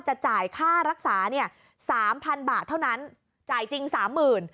จะจ่ายค่ารักษาเนี่ย๓๐๐๐บาทเท่านั้นจ่ายจริง๓๐๐๐๐บาท